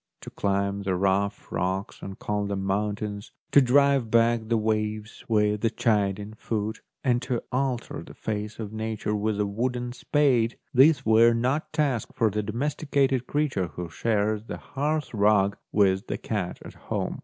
To climb the rough rocks and call them moun tains, to drive back the waves with a chiding foot, and to alter the face of Nature with a wooden spade, these were not tasks for the domesticated creature who shares the hearth rug with the cat at home.